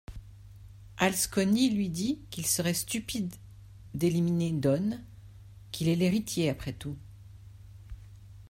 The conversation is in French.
Alsconi lui dit qu'il serait stupide d'éliminer Don, qu'il est l'héritier après tout.